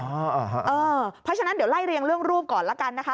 เพราะฉะนั้นเดี๋ยวไล่เรียงเรื่องรูปก่อนละกันนะคะ